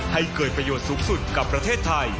ให้เกิดประโยชน์สูงสุดกับประเทศไทย